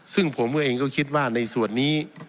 ซึ่งผมก็เองก็คิดว่าในส่วนนี้